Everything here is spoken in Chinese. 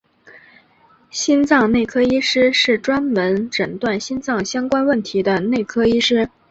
心脏内科医师是专门诊断心脏相关问题的内科医师。